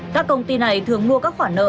các công ty này thường mua các khoản nợ